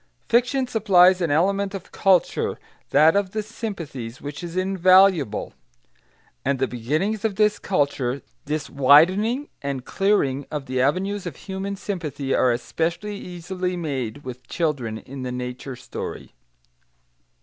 Fiction supplies an element of culture, that of the sympathies, which is invaluable. And the beginnings of this culture, this widening and clearing of the avenues of human sympathy, are especially easily made with children in the nature story.